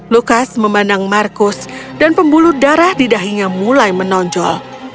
lukas memandang markus dan pembuluh darah di dahinya mulai menonjol